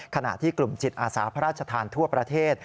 ขณะที่กลุ่มจิตอาสาพระราชทานทั่วประเทศ